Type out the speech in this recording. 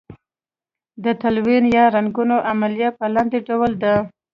د تلوین یا رنګولو عملیه په لاندې ډول ده.